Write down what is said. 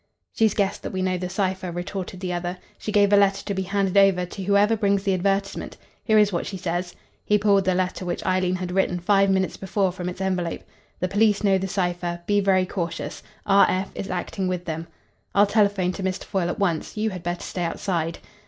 "She's guessed that we know the cipher," retorted the other. "She gave a letter to be handed over to whoever brings the advertisement. Here is what she says." He pulled the letter which Eileen had written five minutes before from its envelope: "'The police know the cipher. Be very cautious. R. F. is acting with them.' I'll telephone to Mr. Foyle at once. You had better stay outside."